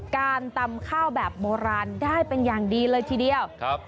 การตำข้าวแบบโบราณได้เป็นอย่างดีเลยทีเดียวครับ